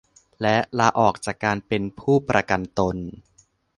และลาออกจากการเป็นผู้ประกันตน